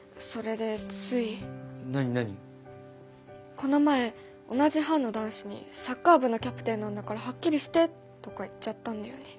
この前同じ班の男子に「サッカー部のキャプテンなんだからはっきりして」とか言っちゃったんだよね。